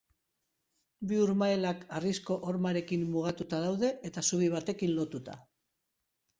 Bi urmaelak harrizko hormarekin mugatuta daude eta zubi batekin lotuta.